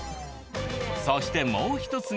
そしてもう一つが。